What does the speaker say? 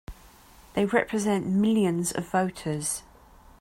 They represent millions of voters!